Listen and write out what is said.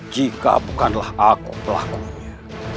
jika bukanlah aku pelakunya